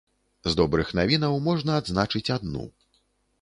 З добрых навінаў можна адзначыць адну.